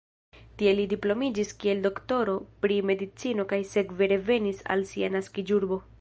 Tie li diplomiĝis kiel doktoro pri medicino kaj sekve revenis al sia naskiĝurbo.